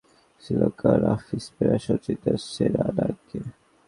কিছুদিন আগে অবৈধ বোলিং অ্যাকশনের জন্য নিষিদ্ধ হয়েছেন শ্রীলঙ্কার অফস্পিনার সাচিত্রা সেনানায়েকে।